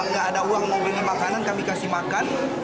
nggak ada uang mau beli makanan kami kasih makan